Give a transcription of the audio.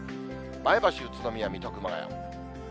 前橋、宇都宮、水戸、熊谷。